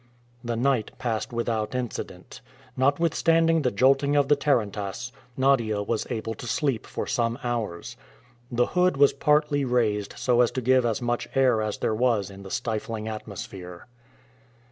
The night passed without incident. Notwithstanding the jolting of the tarantass, Nadia was able to sleep for some hours. The hood was partly raised so as to give as much air as there was in the stifling atmosphere.